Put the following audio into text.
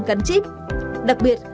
gắn chip đặc biệt